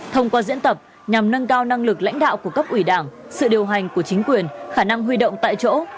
thông qua diễn tập nhằm nâng cao năng lực lãnh đạo của cấp ủy đảng sự điều hành của chính quyền khả năng huy động tại chỗ